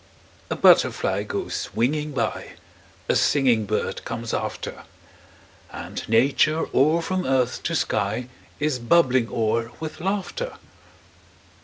A butterfly goes winging by; A singing bird comes after; And Nature, all from earth to sky, Is bubbling o'er with laughter.